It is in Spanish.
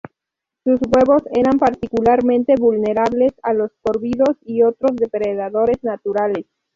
Sus huevo eran particularmente vulnerables a los córvidos y otros depredadores naturales.